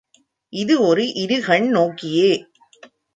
இது ஒரு இருகண் நோக்கியே.